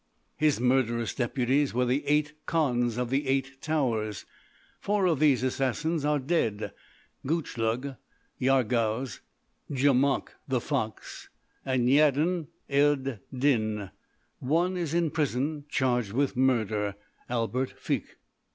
"His murderous deputies were the Eight Khans of the Eight Towers. Four of these assassins are dead—Gutchlug, Yarghouz, Djamouk the Fox, and Yaddin ed Din. One is in prison charged with murder,—Albert Feke.